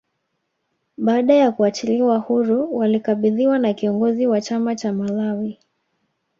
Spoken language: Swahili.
Baada ya kuachiliwa huru walikabidhiwa kwa kiongozi wa chama cha Malawi